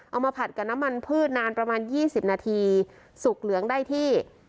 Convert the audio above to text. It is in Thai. มาผัดกับน้ำมันพืชนานประมาณ๒๐นาทีสุกเหลืองได้ที่